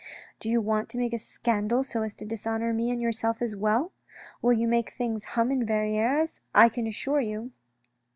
" Do you want to make a scandal so as to dishonour me and yourself as well ? You will make things hum in Verrieres I can assure you."